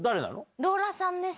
ローラさんです。